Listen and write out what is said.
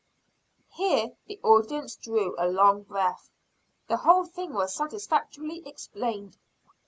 Here the audience drew a long breath, the whole thing was satisfactorily explained.